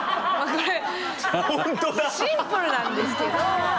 これシンプルなんですけど。